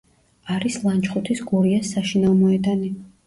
არის ლანჩხუთის „გურიას“ საშინაო მოედანი.